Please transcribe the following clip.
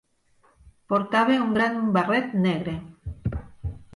Portava un gran barret negre!